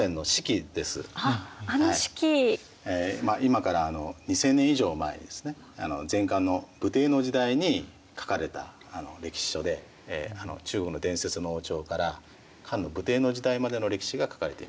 今から２，０００年以上前ですね前漢の武帝の時代に書かれた歴史書で中国の伝説の王朝から漢の武帝の時代までの歴史が書かれています。